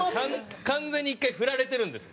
完全に一回振られてるんです。